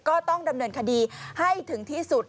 ก็ต้องดำเนินคดีให้ถึงที่สุด